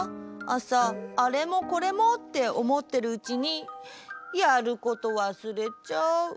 あさあれもこれもっておもってるうちにやること忘れちゃう。